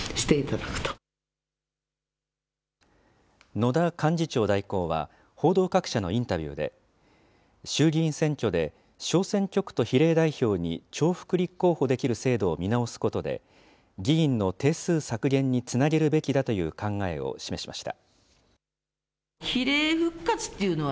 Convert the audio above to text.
野田幹事長代行は、報道各社のインタビューで、衆議院選挙で、小選挙区と比例代表に重複立候補できる制度を見直すことで、議員の定数削減につなげるべきだという考えを示しました。